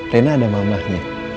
rena ada mamanya